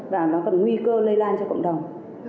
và nó còn nguy cơ lây lan cho cộng đồng